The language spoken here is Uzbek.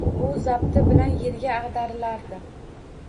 U zabti bilan yerga ag‘darilardi